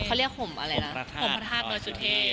เขาเรียกคมอะไรนะคมพระธาตุน้อยสุเทศ